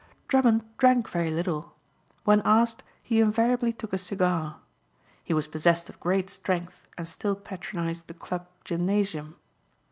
Drummond drank very little. When asked he invariably took a cigar. He was possessed of great strength and still patronized the club gymnasium.